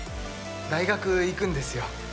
大学行くんですよ。